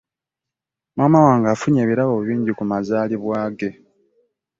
Maama wange afunye ebirabo bingi ku mazalibwa ge.